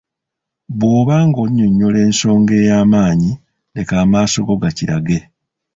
Bw’oba nga onnyonnyola ensonga ey’amaanyi leka amaaso go gakirage.